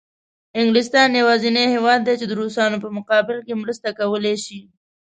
انګلستان یوازینی هېواد دی چې د روسانو په مقابل کې مرسته کولای شي.